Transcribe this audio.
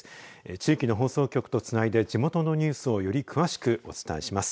地域の放送局とつないで地元のニュースをより詳しくお伝えします。